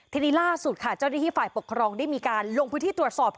ทีนี้ล่าสุดค่ะเจ้าหน้าที่ฝ่ายปกครองได้มีการลงพื้นที่ตรวจสอบ